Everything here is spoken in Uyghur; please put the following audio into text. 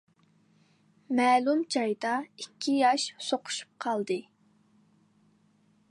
مەلۇم جايدا ئىككى ياش سوقۇشۇپ قالدى.